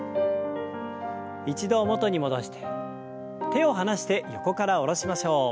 一度元に戻して手を離して横から下ろしましょう。